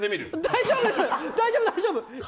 大丈夫です、大丈夫！